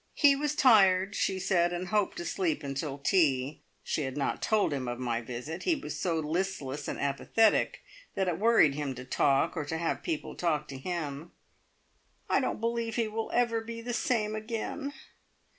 He was tired, she said, and hoped to sleep until tea. She had not told him of my visit; he was so listless and apathetic that it worried him to talk, or to have people talk to him. "I don't believe he will ever be the same again!"